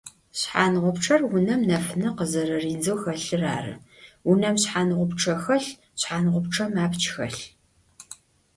Шъхьангъупчъэр унэм нэфынэ къызэрэридзэу хэлъыр ары, унэм шъхьангъупчъэ хэлъ, шъхьангъупчъэм апч хэлъ